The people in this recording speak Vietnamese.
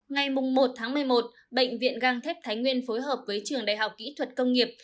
ngày một một mươi một bệnh viện găng thép thái nguyên phối hợp với trường đại học kỹ thuật công nghiệp